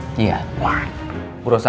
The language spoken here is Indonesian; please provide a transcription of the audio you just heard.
ada apa ya